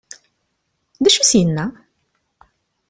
D acu i as-yenna?